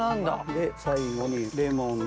で最後にレモンの。